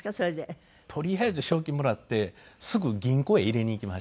とりあえず賞金もらってすぐ銀行へ入れに行きました。